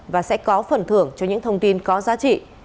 và sẽ có phần thưởng cho những thông tin có giá trị